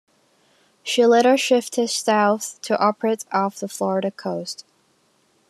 She later shifted south to operate off the Florida coast.